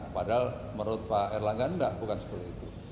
padahal menurut pak erlangga enggak bukan seperti itu